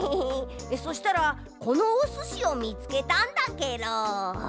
そしたらこのおすしをみつけたんだケロ。